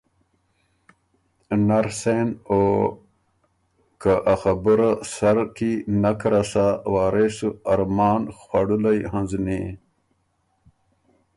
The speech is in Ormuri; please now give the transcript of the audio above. نر سېن او که ا خبُره سر کی نک رسا، وارث سُو ارمان خؤړُلئ هںزنی